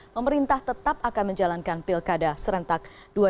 pemerintah tetap akan menjalankan pilkada serentak dua ribu dua puluh